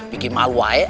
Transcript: bikin mawa eh